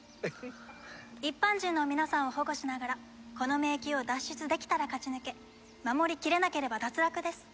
一般人の皆さんを保護しながらこの迷宮を脱出できたら勝ち抜け守りきれなければ脱落です。